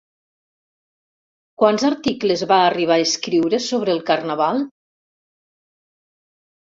¿Quants articles va arribar a escriure sobre el Carnaval?